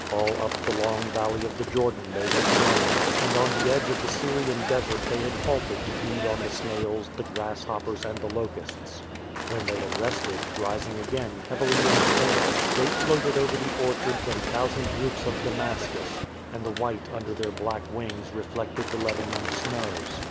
All up the long valley of the Jordan they had flown, and on the edge of the Syrian desert they had halted to feed on the snails, the grasshoppers, and the locusts. When they had rested, rising again heavily in the air, they floated over the orchards and thousand roofs of Damascus, and the white under their black wings re flected the Lebanon snows.